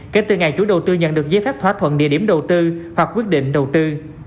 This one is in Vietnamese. kể từ ngày chủ đầu tư nhận được giấy phép thỏa thuận địa điểm đầu tư hoặc quyết định đầu tư